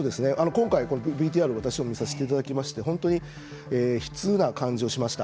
今回、このＶＴＲを私も見させていただきまして本当に悲痛な感じがしました。